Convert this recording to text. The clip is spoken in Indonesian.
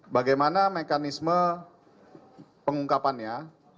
bagaimana mekanisme pengungkapannya